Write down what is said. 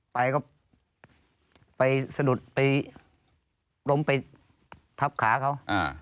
ไปก็ไปสะดุดไปล้มไปทับขาเขา